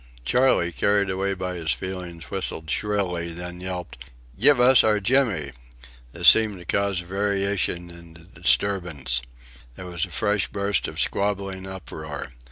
Charley carried away by his feeling whistled shrilly, then yelped: "Giv' us our Jimmy!" This seemed to cause a variation in the disturbance. There was a fresh burst of squabbling uproar.